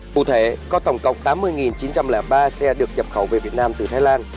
cụ thể có tổng cộng tám mươi chín trăm linh ba xe được nhập khẩu về việt nam từ thái lan